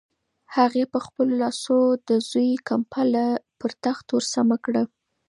هغې په خپلو لاسو د زوی کمپله پر تخت ورسمه کړه.